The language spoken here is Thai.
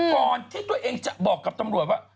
ก่อนที่ตัวเองจะบอกกับตำรวจว่า